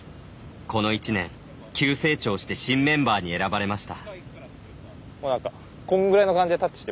この１年、急成長して新メンバーに選ばれました。